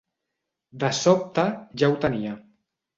De sobte, ja ho tenia.